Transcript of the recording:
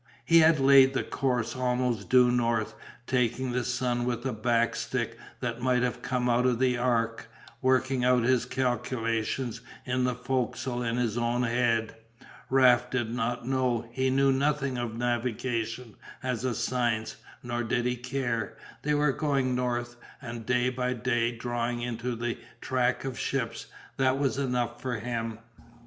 He had laid the course almost due north, taking the sun with a back stick that might have come out of the Ark, working out his calculations in the fo'c'sle in his own head. Raft did not know, he knew nothing of navigation as a science, nor did he care, they were going north and day by day drawing into the track of ships, that was enough for him.